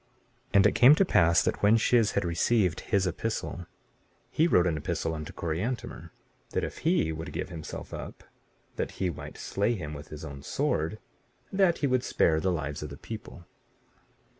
15:5 And it came to pass that when Shiz had received his epistle he wrote an epistle unto Coriantumr, that if he would give himself up, that he might slay him with his own sword, that he would spare the lives of the people.